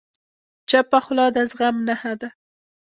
چپه خوله، د زغم نښه ده.